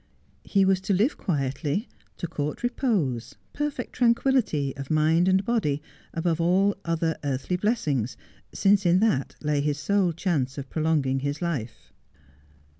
He was to live quietly, to court repose, perfect tranquillity of mind and body, above all other earthly blessings, since in that lay his sole chance of prolonging his life.